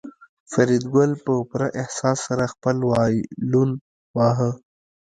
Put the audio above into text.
فریدګل په پوره احساس سره خپل وایلون واهه